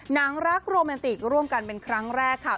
หนังรักโรแมนติกร่วมกันเป็นครั้งแรกค่ะ